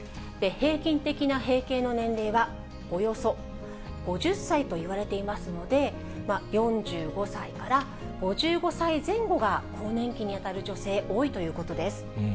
平均的な閉経の年齢は、およそ５０歳と言われていますので、４５歳から５５歳前後が更年期に当たる女性、多いということです。